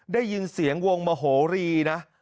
ได้ยินเสียงวงมโหรีนะ